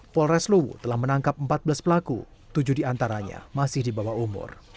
polres luwu telah menangkap empat belas pelaku tujuh diantaranya masih di bawah umur